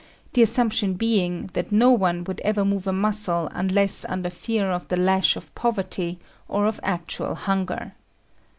the assumption being that no one would ever move a muscle unless under fear of the lash of poverty or of actual hunger.